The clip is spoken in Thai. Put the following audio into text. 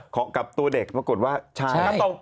ของกับตัวเด็กปรากฏว่าใช่